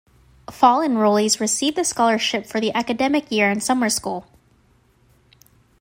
Fall enrollees receive the scholarship for the academic year and Summer School.